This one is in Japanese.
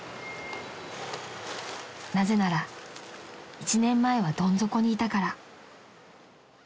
［なぜなら１年前はどん底にいたから］